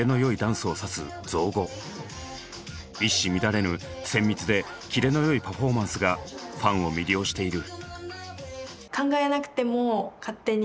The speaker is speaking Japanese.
一糸乱れぬ精密でキレの良いパフォーマンスがファンを魅了している。